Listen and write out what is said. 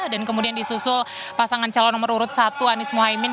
dan kemudian disusul pasangan calon nomor urut satu anies muhaymin